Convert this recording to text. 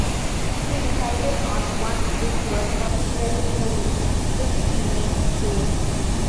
He decided on one which was particularly heavy, which he named Dave.